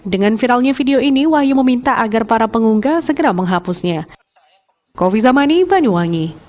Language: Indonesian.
dengan viralnya video ini wahyu meminta agar para pengunggah segera menghapusnya